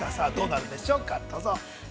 どうなるでしょうか、どうぞ。